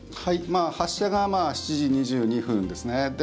発射が７時２２分ですね。